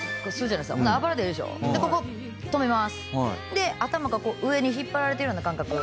で頭がこう上に引っ張られてるような感覚。